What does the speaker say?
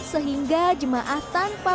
sehingga jemaah tanpa